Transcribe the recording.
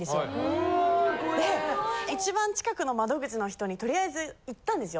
・うわ怖ぇ・一番近くの窓口の人にとりあえず言ったんですよ。